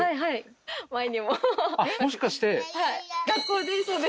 もしかして。